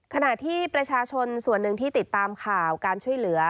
ขณะที่ประชาชนส่วนหนึ่งที่ติดตามข่าวการช่วยเหลือ